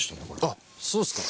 あっそうですか。